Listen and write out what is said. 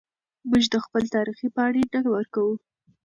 موږ د خپل تاریخ پاڼې نه ورکوو.